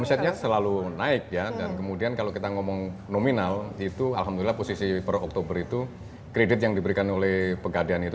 omsetnya selalu naik ya dan kemudian kalau kita ngomong nominal itu alhamdulillah posisi per oktober itu kredit yang diberikan oleh pegadian itu